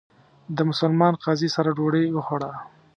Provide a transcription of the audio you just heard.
د مسلمان قاضي سره ډوډۍ وخوړه.